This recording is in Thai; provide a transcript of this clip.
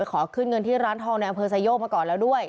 ขอขึ้นเงินที่ร้านทองในอำเภอไซโยกมาก่อนแล้วด้วย